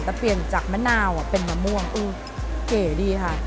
แต่เปลี่ยนจากมะนาวเป็นมะม่วงเก๋ดีค่ะ